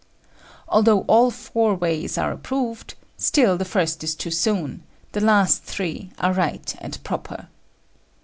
Although all four ways are approved, still the first is too soon; the last three are right and proper.